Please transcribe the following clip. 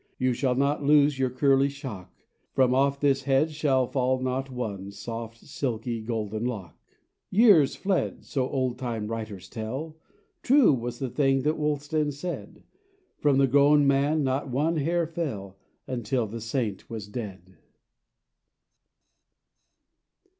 You shall not lose your curly shock; From off this head shall fall not one Soft silky golden lock." Years fled (so old time writers tell) : True was the thing that Wulstan said; From the grown man not one hair fell —' Until the Saint was dead.